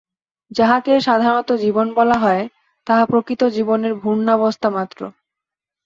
যাহাকে সাধারণত জীবন বলা হয়, তাহা প্রকৃত জীবনের ভ্রূণাবস্থা মাত্র।